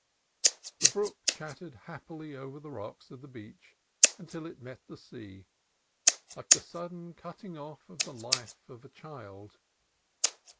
The brook chattered happily over the rocks of the beach until it met the sea, like the sudden cutting off of the life of a child.